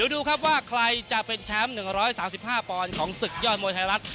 ดูครับว่าใครจะเป็นแชมป์๑๓๕ปอนด์ของศึกยอดมวยไทยรัฐ